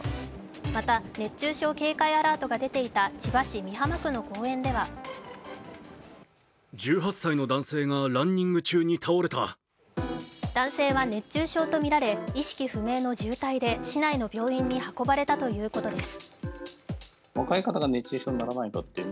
また熱中症警戒アラートが出ていた千葉市美浜区の公園では男性は熱中症とみられ意識不明の重体で市内の病院に運ばれたということです。